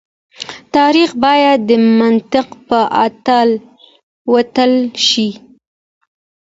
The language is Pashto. تاريخ بايد د منطق په تله وتلل شي.